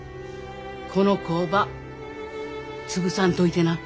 この工場潰さんといてな。